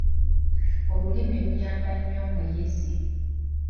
Olulimi luyamba nnyo omuyizi.